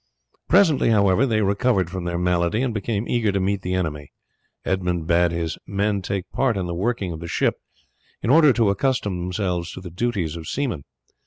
Presently, however, they recovered from their malady and became eager to meet the enemy; Edmund bade his men take part in the working of the ship in order to accustom themselves to the duties of seamen.